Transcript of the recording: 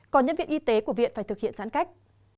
còn nhân viên y tế của viện phải thực hiện giãn cách